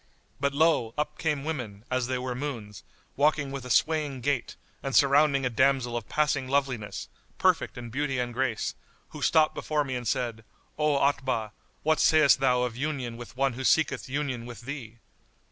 But lo! up came women, as they were moons, walking with a swaying gait, and surrounding a damsel of passing loveliness, perfect in beauty and grace, who stopped before me and said, 'O Otbah, what sayst thou of union with one who seeketh union with thee?